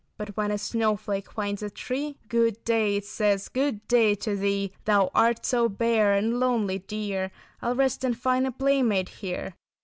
"But when a snowflake finds a tree Good day, it says, good day to thee. Thou art so bare and lonely, dear, I'll rest and find a playmate here.